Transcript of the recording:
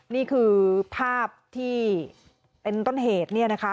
นี่คือภาพที่เป็นต้นเหตุ